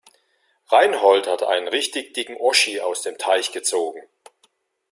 Reinhold hat einen richtig dicken Oschi aus dem Teich gezogen.